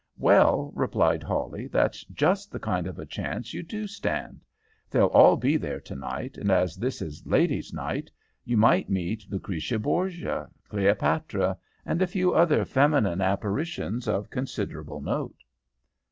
"'Well,' replied Hawley, 'that's just the kind of a chance you do stand. They'll all be there to night, and as this is ladies' day, you might meet Lucretia Borgia, Cleopatra, and a few other feminine apparitions of considerable note.'